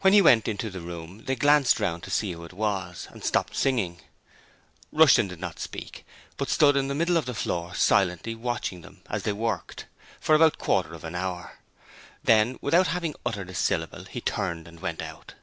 When he went into the room they glanced around to see who it was, and stopped singing. Rushton did not speak, but stood in the middle of the floor, silently watching them as they worked, for about a quarter of an hour. Then, without having uttered a syllable, he turned and went out.